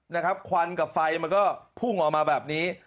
นะครับควันกับไฟมันก็พุ่งออกมาแบบนี้